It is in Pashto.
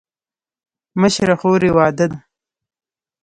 مشره خور یې واده ده.